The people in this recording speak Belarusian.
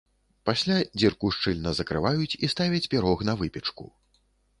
Пасля дзірку шчыльна закрываюць і ставяць пірог на выпечку.